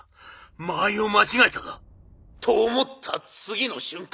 間合いを間違えたか。と思った次の瞬間！